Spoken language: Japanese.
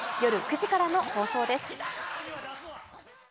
夜９時からの放送です。